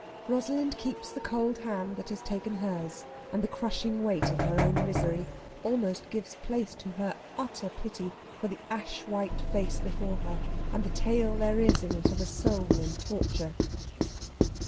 Rosalind keeps the cold hand that has taken hers, and the crushing weight of her own misery almost gives place to her utter pity for the ash white face before her, and the tale there is in it of a soul in torture.